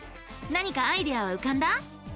何かアイデアはうかんだ？